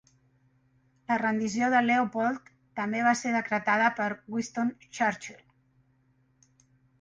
La rendició de Leopold també va ser decretada per Winston Churchill.